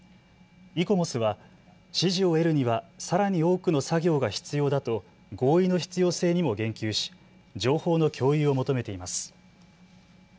イコモスは支持を得るにはさらに多くの作業が必要だと合意の必要性にも言及し情報の共有を求めています。